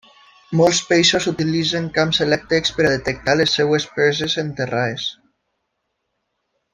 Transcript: Molts peixos utilitzen camps elèctrics per a detectar les seves preses enterrades.